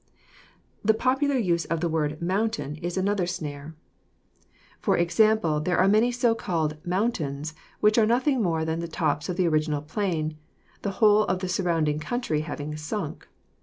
The popular use of the word 'mountain' is another snare. PHYSIOGRAPHY 191 For example, there are many so called mountains which are nothing more than the tops of the original plain, the whole of the surrounding country having sunk.